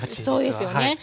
そうですよね。